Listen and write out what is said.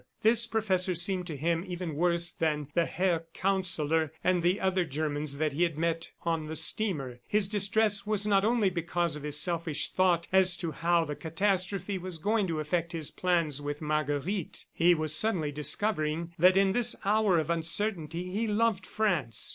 This professor seemed to him even worse than the Herr Counsellor and the other Germans that he had met on the steamer. His distress was not only because of his selfish thought as to how the catastrophe was going to affect his plans with Marguerite. He was suddenly discovering that in this hour of uncertainty he loved France.